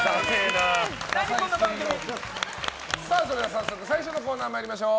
早速最初のコーナー参りましょう。